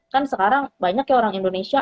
kan sekarang banyak ya orang indonesia